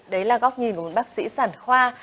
đấy là góc nhìn của một bác sĩ sản khoa